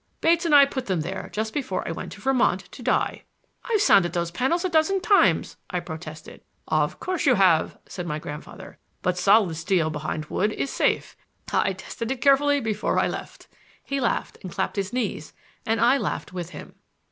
Bates and I put them there just before I went to Vermont to die." "I've sounded those panels a dozen times," I protested. "Of course you have," said my grandfather, "but solid steel behind wood is safe. I tested it carefully before I left." He laughed and clapped his knees, and I laughed with him.